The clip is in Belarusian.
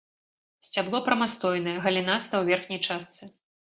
Сцябло прамастойнае, галінастае ў верхняй частцы.